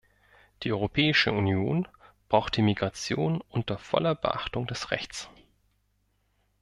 Die Europäische Union braucht die Migration unter voller Beachtung des Rechts.